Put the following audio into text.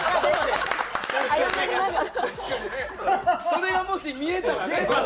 それがもし見えたらね。